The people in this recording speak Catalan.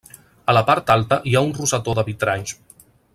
A la part alta hi ha un rosetó de vitralls.